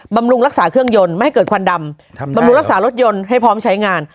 บำรุงรักษาเครื่องยนต์ไม่ให้เกิดควันดำบำรุงรักษารถยนต์ให้พร้อมใช้งาน